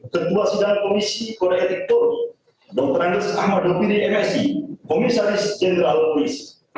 ketua sidang komisi kode etik polri dr andes ahmad dopiri msi komisaris jenderal polisi